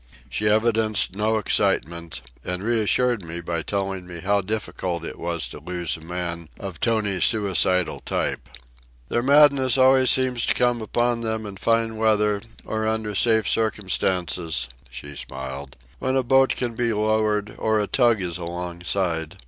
She evidenced no excitement, and reassured me by telling me how difficult it was to lose a man of Tony's suicidal type. "Their madness always seems to come upon them in fine weather or under safe circumstances," she smiled, "when a boat can be lowered or a tug is alongside.